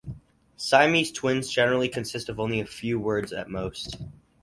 Siamese twins generally consist of only a few words at most.